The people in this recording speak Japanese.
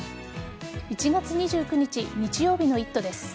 １月２９日日曜日の「イット！」です。